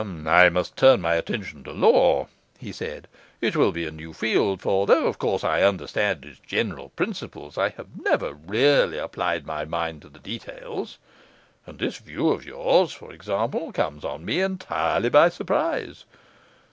'I must turn my attention to law,' he said; 'it will be a new field; for though, of course, I understand its general principles, I have never really applied my mind to the details, and this view of yours, for example, comes on me entirely by surprise.